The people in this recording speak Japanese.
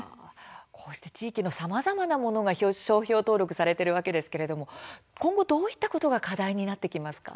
こうして地域のさまざまなものが商標登録されているわけですが今後どういったことが課題になってきますか？